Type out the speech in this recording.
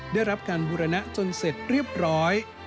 ได้รับการบูรณะจนเสร็จเรียบร้อย